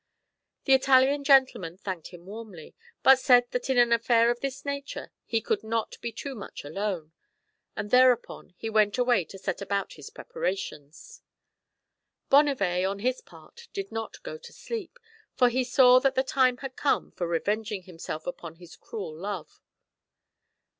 The Italian gentleman thanked him warmly, but said that in an affair of this nature he could not be too much alone ; and thereupon he went away to set about his preparations. Bonnivet, on his part, did not go to sleep, for he saw that the time had come for revenging him self upon his cruel love.